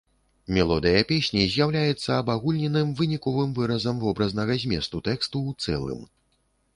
Мелодыя песні з'яўляецца абагульненым, выніковым выразам вобразнага зместу тэксту ў цэлым.